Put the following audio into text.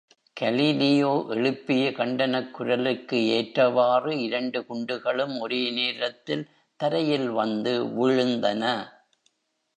Galileo எழுப்பிய கண்டனக் குரலுக்கு ஏற்றவாறு இரண்டு குண்டுகளும் ஒரே நேரத்தில் தரையில் வந்து விழுந்தன!